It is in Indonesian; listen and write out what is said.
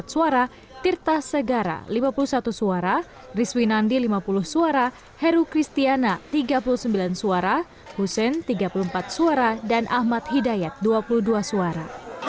empat suara tirta segara lima puluh satu suara rizwinandi lima puluh suara heru kristiana tiga puluh sembilan suara hussein tiga puluh empat suara dan ahmad hidayat dua puluh dua suara